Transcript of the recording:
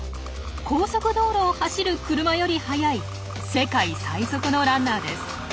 高速道路を走る車より速い世界最速のランナーです。